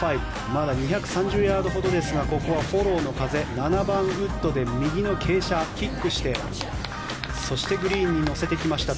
まだ２３０ヤードほどですがここはフォローの風７番ウッドで右の傾斜キックしてそしてグリーンに乗せてきました